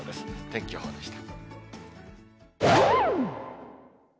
天気予報でした。